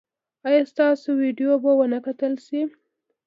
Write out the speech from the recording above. ایا ستاسو ویډیو به و نه کتل شي؟